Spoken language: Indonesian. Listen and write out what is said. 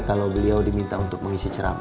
kalo beliau diminta untuk mengisi ceram